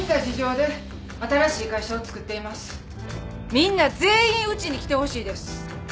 みんな全員うちに来てほしいです